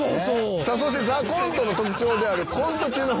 そして『ＴＨＥＣＯＮＴＥ』の特徴であるコント中の副音声。